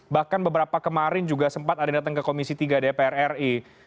bahkan beberapa kemarin juga sempat ada yang datang ke komisi tiga dpr ri